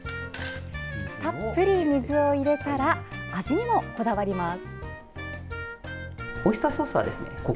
たっぷり水を入れたら味にもこだわります。